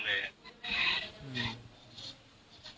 อืม